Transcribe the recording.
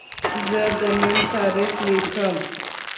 زه د نن تاریخ لیکم.